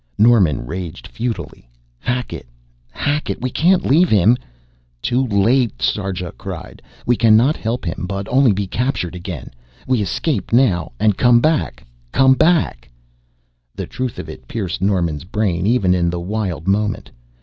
Norman raged futilely. "Hackett Hackett! We can't leave him " "Too late!" Sarja cried. "We cannot help him but only be captured again. We escape now and come back come back " The truth of it pierced Norman's brain even in the wild moment.